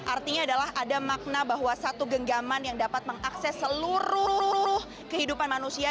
artinya adalah ada makna bahwa satu genggaman yang dapat mengakses seluruh kehidupan manusia